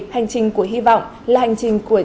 hành trình của hy vọng là hành trình của